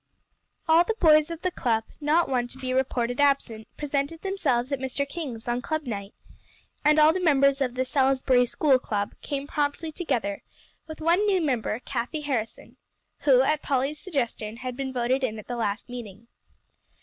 All the boys of the club, not one to be reported absent, presented themselves at Mr. King's on club night. And all the members of the "Salisbury School Club" came promptly together, with one new member, Cathie Harrison, who, at Polly's suggestion, had been voted in at the last meeting.